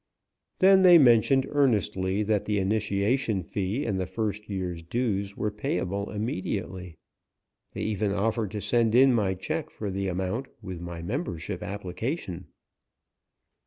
Then they mentioned earnestly that the initiation fee and the first year's dues were payable immediately. They even offered to send in my check for the amount with my membership application.